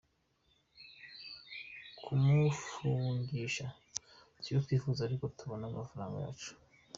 Kumufungisha sibyo twifuza ariko tubone amafaranga yacu.